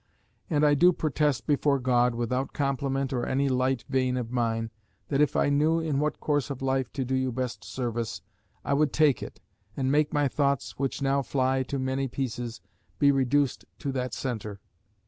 And I do protest before God, without compliment or any light vein of mind, that if I knew in what course of life to do you best service, I would take it, and make my thoughts, which now fly to many pieces, be reduced to that center.